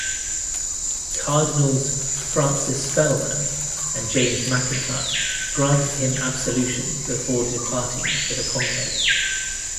Cardinals Francis Spellman and James McIntyre granted him absolution before departing for the conclave.